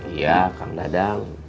iya kak nadang